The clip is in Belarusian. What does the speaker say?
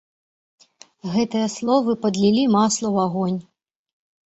Гэтыя словы падлілі масла ў агонь.